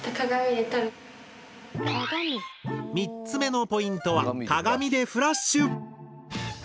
３つ目のポイントは鏡でフラッシュ！